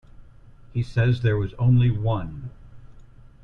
He says there was only one.